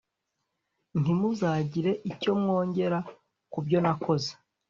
ntimuzagire icyo mwongera ku byo nakoze